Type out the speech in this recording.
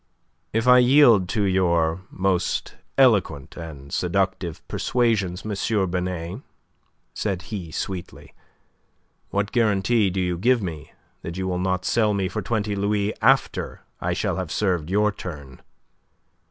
"If I yield to your most eloquent and seductive persuasions, M. Binet," said he, sweetly, "what guarantee do you give me that you will not sell me for twenty louis after I shall have served your turn?"